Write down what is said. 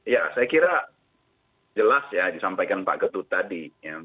ya saya kira jelas ya disampaikan pak getut tadi